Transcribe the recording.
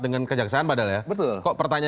dengan kejaksaan padahal ya betul kok pertanyaan